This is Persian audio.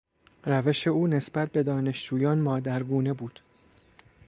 روش او نسبت به دانشجویان مادرگونه بود.